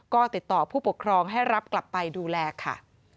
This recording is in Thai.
ก็ติดต่อผู้ปกครองให้รับกลับไปดูแลค่ะ